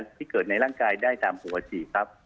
ที่เกิดในร่างกายได้ตามปกติครับ